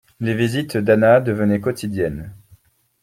les visites d’Anna devenaient quotidiennes